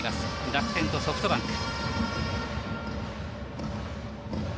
楽天とソフトバンク。